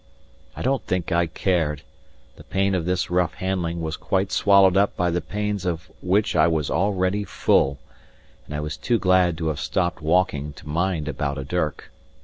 I don't think I cared; the pain of this rough handling was quite swallowed up by the pains of which I was already full; and I was too glad to have stopped walking to mind about a dirk.